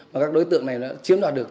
mà các đối tượng này chiếm đoạt được